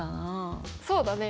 そうだね。